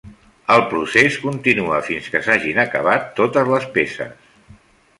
El procés continua fins que s'hagin acabat totes les peces.